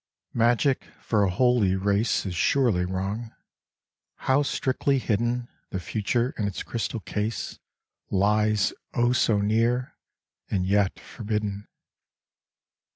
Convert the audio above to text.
Magic for a holy race Is surely wrong ; how strictly hidden The future in its crystal case Lies (oh, so near) ! and yet forbidden.